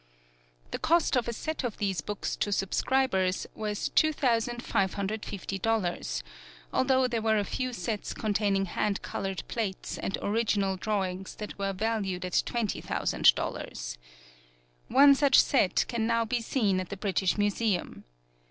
The cost of a set of these books to subscribers was two thousand five hundred fifty dollars, although there were a few sets containing hand colored plates and original drawings that were valued at twenty thousand dollars. One such set can now be seen at the British Museum.